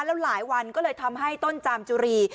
แล้วหลายวันก็เลยทำให้ต้นจามจุรี